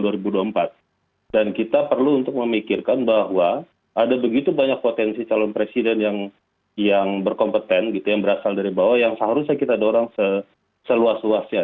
dan kita perlu untuk memikirkan bahwa ada begitu banyak potensi calon presiden yang berkompeten gitu yang berasal dari bawah yang seharusnya kita dorong seluas luasnya